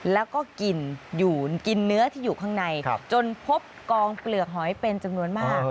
แล้วก็กินเนื้อที่อยู่ข้างในจนพบกองเปลือกหอยเป็นจำนวนมาก